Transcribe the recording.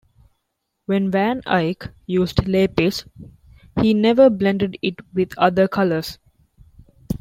When Van Eyck used lapis, he never blended it with other colors.